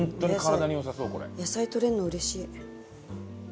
野菜とれるの嬉しい。